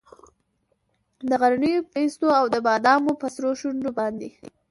د غرنیو پیستو او د بادامو په سرو شونډو باندې